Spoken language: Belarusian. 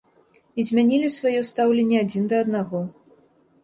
І змянілі сваё стаўленне адзін да аднаго.